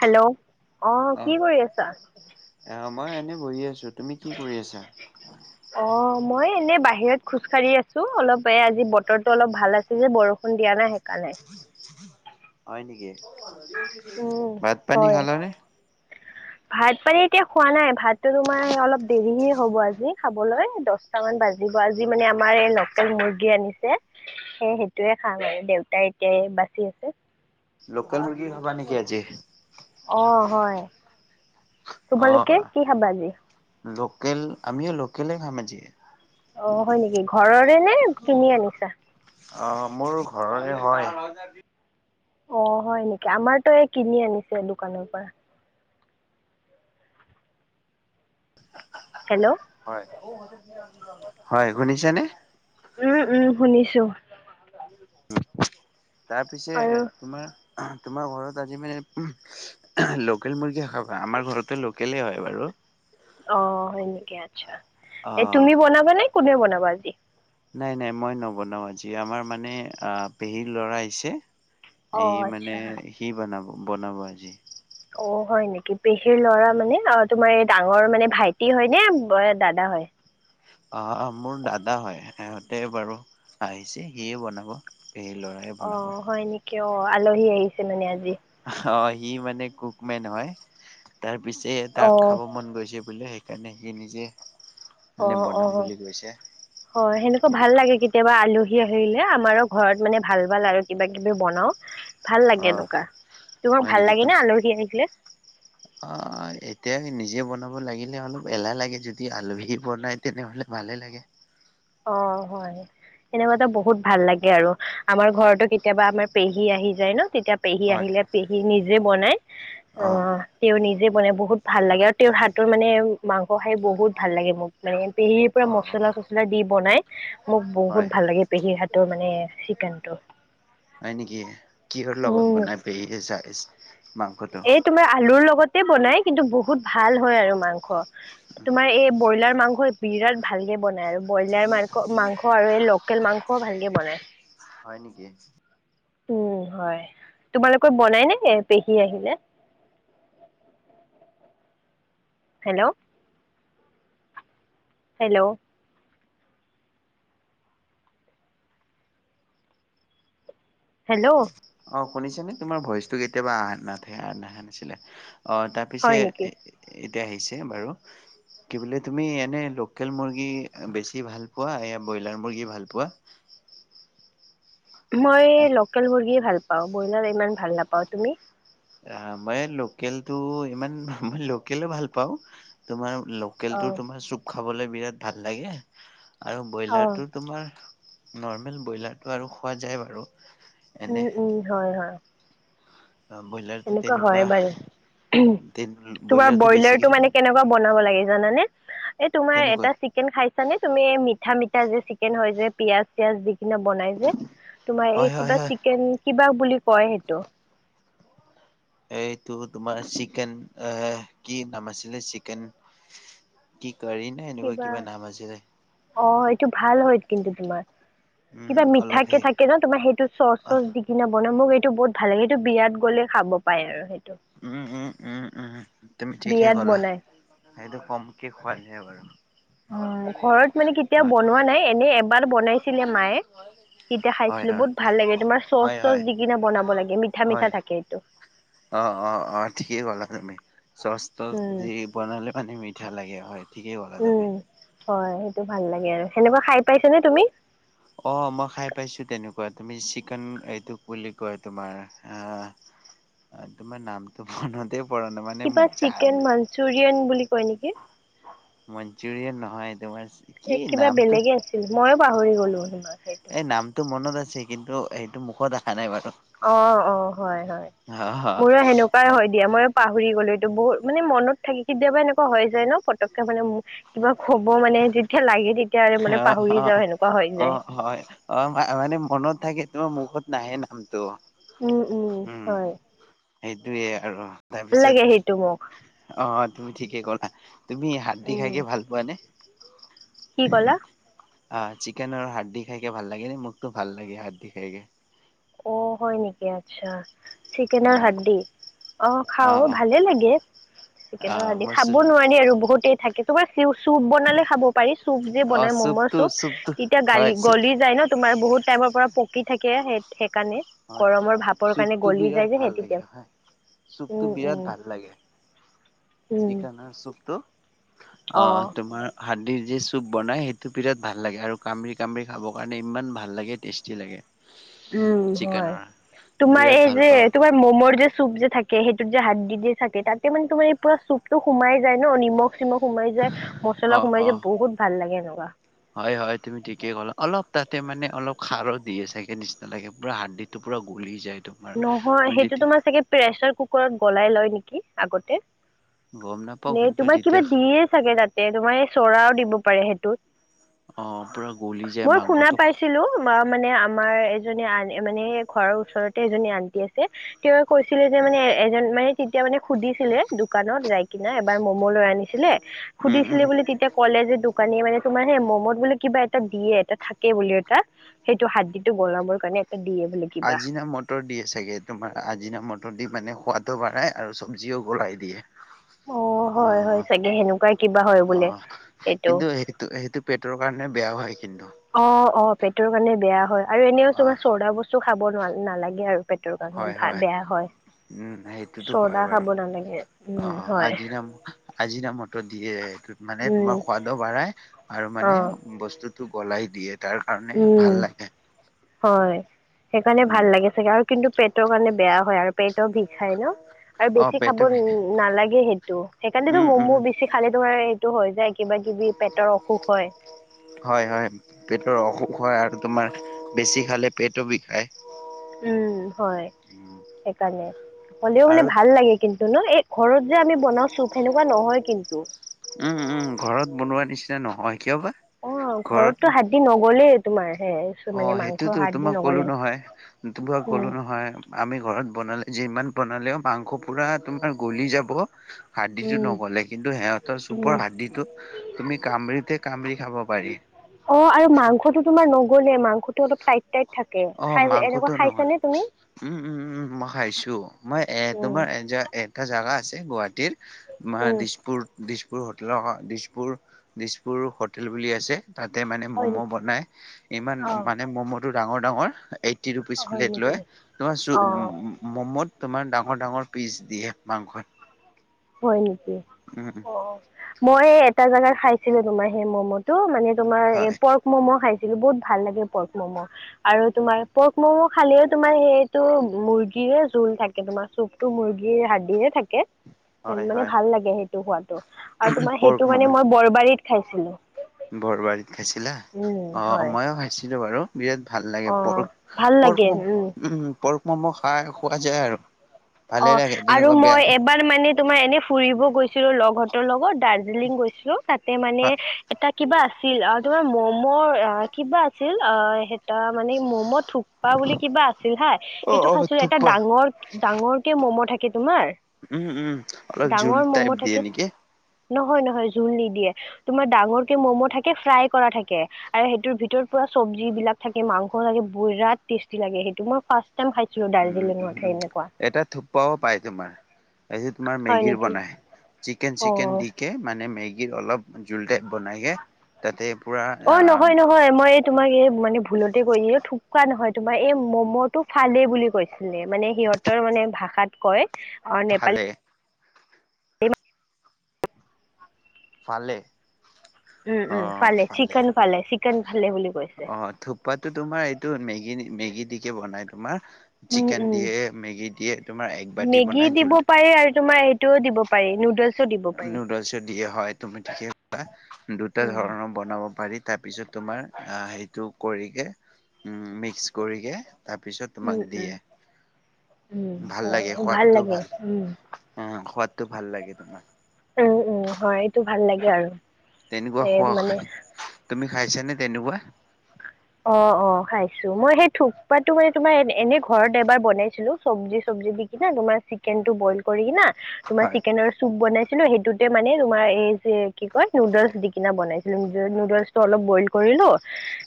Hello অ কি কৰি আছা? অ মই এনেই বহি আছো, তুমি কি কৰি আছা? [unintelligible] অ মই এনেই বাহিৰত খোজকাঢ়ি আছো অলপ এ আজি বতৰো অলপ ভাল আছে যে বৰষুণ খুন দিয়া নাই সেইকাৰণে। হয় নেকি? উম ভাত পানী হয় খালা নে? [unintelligible] ভাত পানী এতিয়া খোৱা নাই, ভাতটো তোমাৰ অলপ দেৰি হে হ'ব আজি খাবলৈ দহ টামান বাজিব আজি মানে আমাৰ এই লকেল মুৰ্গী আনিছে। সেই সেইটোৱে খাম আৰু দেউতাই এতিয়া এই বাচি আছে। লোকেল মুৰ্গী খাবা নেকি আজি? অ হয়। অ তোমালোকে কি খাবা আজি? লোকেল আমিও লোকেলে খাম আজি। অ হয় নেকি? ঘৰৰে নে কিনি আনিছা? অ মোৰ ঘৰৰে হয়। অ হয় নেকি? আমাৰতো এই কিনি আনিছে দোকানৰ পৰা। হেল্ল' হয় [inaudible] হয় শুনিছেনে? উম উম শুনিছো। তাৰপিছে এ আৰু আ তোমাৰ তোমাৰ ঘৰত আজি মানে উম্ লোকেল মুৰ্গী খাবা, আমাৰ ঘৰতো লোকেলেই হয় বাৰু। অ হয় নেকি? আচ্ছা অ এই তুমি বনাবা নে কোনে বনাব আজি? নাই নাই মই নবনাও আজি, আমাৰ মানে আ পেহীৰ ল'ৰা আহিছে। অ সি মানে আচ্ছা সি বনাব বনাব আজি। অ হয় নেকি? পেহীৰ ল'ৰা মানে অ তোমাৰ এই ডাঙৰ মানে ভাইটি হয় নে দাদা হয়? অ অ মোৰ দাদা হয়, সিহঁতে বাৰু আহিছে সিয়ে বনাব পেহীৰ লৰা। অ হয় নেকি? অ আলহী আহিছে মানে আজি? অ সি মানে কুকমেন হয়, তাৰ পিছে অ তাক খাব মন গৈছে বুলে সেইকাৰণে সি নিজে অ মানে অ বনাম বুলি কৈছে হয়, সেনেকুৱা ভাল লাগে কিন্ কেতিয়াবা আলহী আহিলে আমাৰো ঘৰত মানে ভাল ভাল আৰু কিবা কিবি বনাও। ভাল লাগে অ এনকুৱা, তোমাক হয় ভাল নেকি লাগে তুম নে আলহী আহিলে? অ এতিয়া নিজে বনাব লাগিলে অলপ এলাহ লাগে যদি আলহী বনাই তেনেহলে ভালে লাগে। অ হয় সেনেকুৱাতো বহুত ভাল লাগে আৰু আমাৰ ঘৰতো কেতিয়াবা আমাৰ পেহী আহি যায় ন তেতিয়া পেহী হয় আহিলে পেহী নিজে বনাই অ তেওঁ নিজে বনাই বহুত ভাল লাগে আৰু তেওঁৰ হাতৰ মানে মাংস খাই বহুত ভাল লাগে মোক মানে পেহীৰ পৰা অ মচলা চচলা চচলা দি বনাই মোৰ হয় বহুত ভাল লাগে পেহী হাতৰ মানে চিকেনটো হয় নেকি কিহৰ লগত উম বনাই পেহী চাইচ মাংসটো ত তোমাৰ আলুৰ লগতে বনাই কিন্তু বহুত ভাল হয় আৰু মাংস তোমাৰ এই ব্ৰইলাৰ মাংসই বিৰাট ভালকে বনাই আৰু ব্ৰইলাৰ মাংস মাংস আৰু এই লোকেল মাংসও ভালকে বনাই হয় নেকি উম হয় তোমালোকৰ বনাই নে এ পেহী আহিলে [unintelligible] হেল্ল হেল্ল হেল্ল অ শুনিছানে তোমাৰ ভইচটো কেতিয়াবা নাথে আহা নাছিলে অ তাৰ পিছে হয় নেকি? এতিয়া আহিছে বাৰু কি বোলে তুমি এনে লোকেল মুৰ্গী বেছি ভাল পোৱা এ ব্ৰয়লাৰ মুৰ্গী ভাল পোৱা মই লোকেল মুৰ্গী ভাল পাওঁ ব্ৰইলাৰ ইমান ভাল নাপাওঁ তুমি আ মই লোকেলটো ইমান মই লোকেলো ভাল পাওঁ তোমাৰ লোকেলটো অ', তোমাৰ চুপ খাবলে বিৰাট ভাল লাগে আৰু অ', ব্ৰইলাৰটো তোমাৰ নৰ্মেল ব্ৰইলাৰটো আৰু খোৱা যায় বাৰু উম এনে উম হয় হয় ব্ৰইলাৰটো তেনেকুৱা ওম তোমাৰ ব্ৰইলাৰটো ব্ৰইলাৰ বেছিকে টো মানে কেনেকোৱা বনাব লাগে জানানে এ তোমাৰ কেনেকৈ এটা চিকেন খাইছানে তুমি মিঠা মিঠা যে চিকেন হয় যে পিয়াজ চিয়াজ দি বনাই যে তোমাৰ হয় এই হয় কিবা হয় চিকেন কিবা বুলি কয় সেইটো এইটো তোমাৰ চিকেন এ কি নাম আছিলে চিকেন কি কাৰি নে এনেকুৱা কিবা নাম আছিলে অ এইটো ভাল হয় কিন্তু তোমাৰ উম কিবা অলপ মিঠাকে সেই থাকে যে তোমাৰ সেইটো চচ অল চচ দি দি কেনি বনাব সেইটো বহুত ভাল সেইটো বিয়াত গলে খাব পায় আৰু উম উম উম উম তুমি ঠিকে বিয়াত কলা বনাই সেইটো কমকে খোৱা যায় বাৰু উম ঘৰত মানে কেতিয়াও বনোৱা নাই এনে এবাৰ বনাইছিলে মায়ে তেতিয়া হয় খাইছিলো হয় বহুত ভাল লাগে তোমাৰ হয় চচ হয় চচ দি কিনে বনাব লাগে মঠা হয় মিঠা থাকে এইটো অ অ অ ঠিকে ক'লা তুমি চচ তচ উম দি বনালে মানে মি মিঠা লাগে হয় ঠিকেই ক'লা তুমি উম হয় সেইটো ভাল লাগে আৰু সেনেকোৱা খাই পাইছা নে তুমি অ মই খাই পাইছো তেনেকুৱা তুমি চিকেন এইটোক বুলি কয় তোমাৰ আ আ তোমাৰ নামটো মনতে পৰা নাই মানে জান চোৰিয়েন বুলি কয় নেকি মনঞ্চুৰিয়ান নহয় তোমাৰ এ কি কিবা নামটো বেলেগে আছিল ময়ো পাহৰি গ'লো তোমাৰ এই নামটো মনত আছে কিন্তু সেইটো মুখত আহা নাই বাৰু অ অ হয় হয় অ মোৰো সেনেকুৱাই এ হয় দিয়া মই পাহৰি গ'লো এইটো বহুত মানে মনত থাকি কেতিয়াবা এনেকুৱা হৈ যায় ন পতকে মানে মোৰ পাহৰ কিবা কব মানে যেতিয়া লাগে তেতিয়া আৰু মানে অ পাহৰি অ যাওঁ সেনেকুৱা হৈ অ যায় হয় অ মানে মনত থাকে তোমাৰ মুখত নাহে নামটো উম উম হয় সেইটোয়ে আৰু ভাল লাগে সেইটো মোক তাৰপিছত অ' তুমি ঠিকে কলা। তুমি হাড়দি উম খাইকে ভাল পোৱা নে? কি কলা? অ, চিকেনৰ হাড়দি খাইকে ভাল লাগে নে? মোকতো ভাল লাগে হাড়দি খাইকে। অ'হয় নেকি? আচ্ছা, অ চিকেনৰ হাড়দি? অ, খাও। ভালে লাগে। অ চিকেনৰ হাড়দি মই খাব চুপ নোৱাৰি আৰু বহুতেই থাকে। একো মানে চি উ চুপ বনালে খাব পাৰি। চুপ যে অ বনাই ম'মৰ চুপটো চুপ, চুপটো তেতিয়া গালি হয় চুপ গলি যায় ন? তোমাৰ বহুত টাইমৰ পৰা পকি থাকে, সেই সেইকাৰণে। হয় গৰমৰ ভাপৰ কাৰণে চুপটো গলি বিৰাট যায় যে, ভাল সে তেতিয়া। লাগে হয় চুপটো উম, বিৰাট উম। ভাল লাগে উম [unintelligible] চুপটো। অ, তোমাৰ হাড়দি যি চুপ বনাই, সেইটো বিৰাট ভাল লাগে। আৰু কামৰি কামিৰি খাবৰ কাৰণে ইমান ভাল লাগে, টেষ্টি লাগে। উম, হয়। চিকেনৰ তোমাৰ বিৰাট এই ভাল যে পাওঁ তোমাৰ ম'মৰ যে চুপ যে থাকে, সেইটোত যে হাড়দি যে থাকে। তাতে মানে তোমাৰ এই পুৰা চুপটো সোমাই যায় ন! নিমখ চিমখ সোমাই যায়, অ মছলা সোমাই অ যায়, বহুত ভাল লাগে এনেকুৱা। হয়, হয়, তুমি ঠিকে ক'লা। অলপ তাতে মানে অলপ খাৰো দিয়ে চাগে নিচিনা লাগে পুৰা হাড়দি টো পুৰা গলি যায় টো নহয়, সেইটো তোমাৰ চাগে প্ৰেচাৰ কুকাৰত গলাই লয় নেকি? আগতে গম নাপাও নে কিন্তু তোমাৰ কিবা যেতিয়া দিয়ে চাগে তাতে, তোমাৰ চৌদাও দিব পাৰে সেইটোত। অ, পুৰা গলি যায় মাংসটো তোমাৰ মানে আমাৰ এজনী আন মানে ঘৰৰ ওচৰতে এজনী আন্টি আছে! তেওঁৱে কৈছিলে যে মানে, এজন মানে তেতিয়া মানে সুধিছিলে দোকানত ৰাইট কিনা এবাৰ ম'ম' লৈ আনিছিলে, উম সুধিছিলে উম বুলি তেতিয়া ক'লে যে দোকানী মানে তোমাৰ হে, ম'মত বোলে কিবা এটা দিয়ে এটা থাকে বোলে এটা সেইটো হাড়দি টো গলাবৰ কাৰণে। এটা দিয়ে বোলে কিবা আজিনা মত টৰ দিয়ে চাগে, তোমাৰ আজিনা মতৰ দি মানে সোৱাদো বাঢ়াই, আৰু চব্জিও গলাই দিয়ে। অ, অ, হয় হয় চাগে সেনেকুৱাই কিবা হয় অ বোলে এইটো কিন্তু, সেইটোতো সেইটো পেটৰ কাৰণে বেয়াও হয় কিন্তু অ, অ পেটৰ কাৰণে বেয়া হয় আৰু এনেও অ'। তোমাৰ চৌদা বস্তু খাব নোৱাৰি নালাগে আৰু পেটৰ কাৰণে হয়, ভা হয়, বেয়া হয়। উম, সেইটোতো হয় চৰ্দা খাব বাৰু। নালাগে অ, অ উম হয় আজিনা ম আজিনা মতৰ দিয়ে এইটোত। মানে উম তোমাৰ সোৱাদো বাঢ়াই আৰু অ মানে বস্তু টো গলাই দিয়ে তাৰ কাৰণে উম ভাল লাগে। হয়। সেইকাৰণে উম, ভাল লাগে চাগে আৰু কিন্তু পেটৰ কাৰণে বেয়া হয়, আৰু পেটো বিষাই ন? আৰু অ', বেছি খাব পেটৰ ন নালাগে সেইটো, সেইকাৰণেটো উম, উম, ম'মো বেছি পে খালে তোমাৰ এইটো হৈ যায় কিবা-কিবি পেটৰ অসুখ হয়। হয়, হয়। পেটৰ অসুখ হয়, আৰু তোমাৰ বেছি খালে পেটো বিষায়। উম, হয়। সেইকাৰণে, হ'লেও আৰু মানে ভাল লাগে কিন্তু ন? এই ঘৰত যে আমি বনাওঁ চুপ সেনেকুৱা নহয় কিন্তু উম, উম ঘৰত বনোৱা নিচিনা নহয়। কিয় বা? অ, ঘৰত ঘৰতো হাড়দি নগলেই তোমাৰ সেয়াই। অ, সেইটোতো তোমাক ক'লো নহয়। তোমাক উম ক'লো নহয় আমি ঘৰত বনালে, যিমান বনালেও মাংস পুৰা তোমাৰ গলি যাব। হাৰ্দিটো উম নগ'লে কিন্তু, সিহঁতৰ উম চুপৰ হাৰ্দিটো তুমি কামৰিতে কামৰি খাব পাৰি। অ, আৰু মাংসটো তোমাৰ নগলে মাং খটো অলপ টাইট টাইত থাকে অ', খাই মাংসটো এনেকুৱা নহ'ল খাইছানে তুমি? উম, উম, উম, উম মই খাইছো মই এ উম তোমাৰ এযা এ এটা জাগা আছে গুৱাহাটীৰ মা উম দিছপুৰ দিছপুৰ হোটেলৰ, দিছপুৰ, দিছপুৰ হোটেল বুলি আছে। তাতে মানে হয় ম'ম' নেকি বনাই ইমান অ মানে ম'মটো ডাঙৰ ডাঙৰ এই টি ৰুপিছ হয় প্লেট নেকি লয় তোমাৰ চো অ উম উম ম'ম'ত তোমাৰ ডাঙৰ ডাঙৰ পিচ দিয়ে মাংসই হয় নেকি অ মই এটা জেগাত খাইছিলো তোমাৰ সেই মমত টো মানে তোমাৰ এ হয়। পৰ্ক ম'ম' খাইছিলো বহুত ভাল লাগে পৰ্ক ম'ম' আৰু তোমাৰ পৰ্ক মম' খালেও তোমাৰ সেইটো মুৰ্গীৰে জুল থাকে তোমাৰ চুপতটো মুৰ্গীৰ হাৰ্ডিহে থাকে হেন হয়, মানে হয়। ভাল লাগে সেইটো হোৱাতটো আৰু তোমাৰ পৰ্ক সেইটো মানে ম'ম' মই বৰবাৰীত খাইছিলো বৰবাৰীত খাইছিলা অ হয় ময়ো খাইছিলো বাৰু বিৰাট ভাল লাগে অঁ পৰ্ক ভাল লাগে পৰ্ক ম উম পৰ্ক মম' খাই খোৱা যায় আৰু অ ভালে লাগে আৰু তেনেকুৱা বেয়া মই এবাৰ মানে তোমাৰ এনে ফুৰিব গৈছিলো লগহতৰ লগত দাৰ্জিলিং গৈছিলো তাতে মানে হয় এটা কিবা আছিল অ তোমাৰ ম'মৰ আ কিবা আছিল অ সেই ট মানে ম'ম' থুপ পা বুলি কিবা আছিল হা অ সেইটো অ খাইছিলো এটা থোপ্পা ডাঙৰ ডাঙৰকে ম'ম' থাকে তোমাৰ উম উম অলপ জুল ডাঙৰ টাইপ ম'ম' দিয়ে থাকে নেকি নহয় নহয় জুল নিদিয়ে তোমাৰ ডাঙৰকে মম' থাকে ফ্ৰাই কৰা থাকে আৰে সেইটোৰ ভিতৰত পুৰা চবজি বিলাক থাকে মাংস থাকে বোৰাট টেষ্টি লাগে সেইটো মই ফাৰ্ষ্ট টাইম খাইছিলোঁ উম উম দাৰ্জিলিঙত উম সেই এনেকুৱা এটা থোপ্পাও পায় তোমাৰ এই তোমাৰ হয় মেগীৰ নেকি বনাই চিকেন অ চিকেন দি কে মানে মেগীৰ অলপ জোল টাইপ বনাইকে তাতে পুৰা আহ হয় মই এই তোমাক এই মানে ভুলতে কৈ দিও এই থুপকোৱা নহয় তোমাৰ এই মম' টো ফালে বুলি কৈছ চিলে মানে সিহতৰ মানে ভাষাত কয় অ নেপালী ফালে [unintelligible] ফালে উম অ অ উম ফালে চিকেন অ চিকেন ফালে বুলি কৈছে অ থূপ পাতো তোমাৰ এইটো মেগি মেগী দিকে বনাই তোমাৰ উম চিকেন উম দিয়ে মেগী দিয়ে তোমাৰ এক বাতি মেগী বনাই দিব জুল পাৰি আৰু তোমাৰ এই টো দিব পাৰি নুডেলচ নুডলছে দিয়ে হয় তুমি থিকে কলা দুটা উম ধৰণৰ বনাব পাৰি তাৰপিছত তোমাৰ সেইটো কৰিকে উম মিক্স কৰিকে তাৰপিছত উম তোমাক উম দিয়ে উম ভাল হয় লাগে খোৱাতটো লাগে ভাল উম হ খোৱাতটো ভাল লাগে তোমাৰ উম উম হয় এইটো ভাল লাগে আৰু তেনেকুৱা সেই খোৱা মানে খাই তুমি খাইছা নে তেনেকুৱা অ অ খাইছো মই সেই থোপাটো মানে তোমাৰ এনে ঘৰত এবাৰ বনাইছিলো চব্জি চব্জি দি কিনে তোমাৰ চিকেন টো বইল কৰি কিনে তোমাৰ হয়, চিকেনৰ চুপ বনাইছিলো সেইটোতে মানে তোমাৰ এই যে কি কয় নুডলছ দি কিনে বনাইছিলো নো নুডলচ ত অলপ বইল কৰিলো,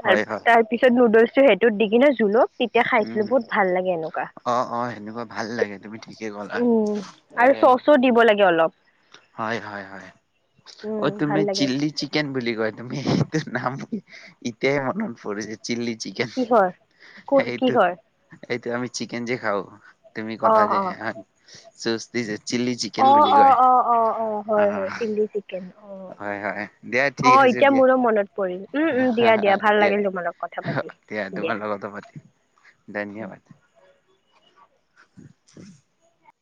তাৰ হয় হয়। তাৰ পিছত নুডলছ টো সেইটোত দি কিনে জোলক তেতিয়া উম, খাইছিলো বহুত ভাল লাগে এনেকুৱা। অ অ সেনেকুৱা ভাল লাগে তুমি ঠিকে কলা। উম এ আৰু চচো দিব লাগে অলপ। হয় হয় হয়। উম ভাল তুমি লাগে চিল্লি চিকেন চিকেন বুলি কয়, তুমি সেইটো নাম এতিয়াই মনত পৰিল। চিল্লি চিকেন, কিহৰ ক এইটো কিহৰ এইটো আমি চিকেন যে খাওঁ, তুমি ক'লা অঁ যে, অঁ চোচস্তি যে, চিললি চিকেন অঁ বুলি অঁ কয়। অঁ অঁ অঁ অ, হয় হয় চিলি চিকেন অঁ হয় হয়। দিয়া ঠিক অঁ আছে এতিয়া দিয়া। মোৰো মনত পৰিল উম উম হয় দিয়া হয় ভাল দিয়া, লাগিল তোমাৰ লগত কথা পাতি দিয়া তোমাৰ লগতো পাতিম। ধন্যবাদ।